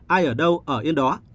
ai ở đâu ở yên đó